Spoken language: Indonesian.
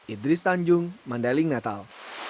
idris tanjung mandaling natal